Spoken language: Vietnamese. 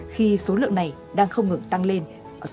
khi số lượng này đang không ngừng tăng lên ở trung quốc